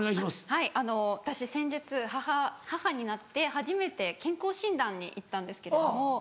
はい私先日母になって初めて健康診断に行ったんですけれども。